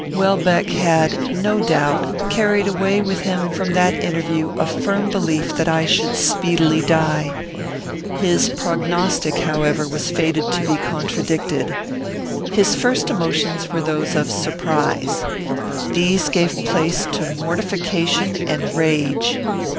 Welbeck had, no doubt, carried away with him from that interview a firm belief that I should speedily die. His prognostic, however, was fated to be contradicted. His first emotions were those of surprise. These gave place to mortification and rage.